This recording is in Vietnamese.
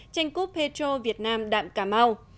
tranh cúp petro việt nam đạm cà mau